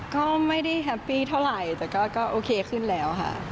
ก็ไม่ได้แฮปปี้เท่าไหร่แต่ก็โอเคขึ้นแล้วค่ะ